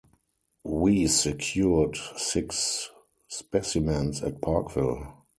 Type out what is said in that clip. We secured six specimens at Parkville.